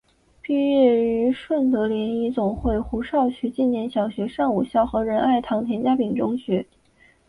毕业于顺德联谊总会胡少渠纪念小学上午校和仁爱堂田家炳中学。